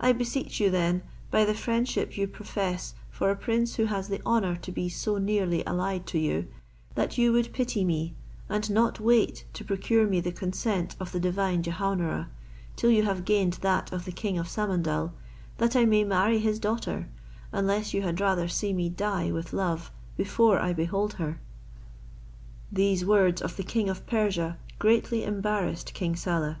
I beseech you then, by the friendship you profess for a prince who has the honour to be so nearly allied to you, that you would pity me, and not wait to procure me the consent of the divine Jehaun ara, till you have gained that of the king of Samandal that I may marry his daughter, unless you had rather see me die with love, before I behold her." These words of the king of Persia greatly embarrassed King Saleh.